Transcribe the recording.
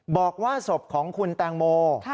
บอกว่าศพของคุณแตงโม